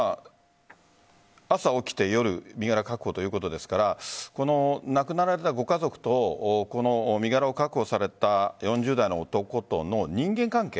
朝、起きて夜、身柄確保ということですから亡くなられたご家族と身柄を確保された４０代の男との人間関係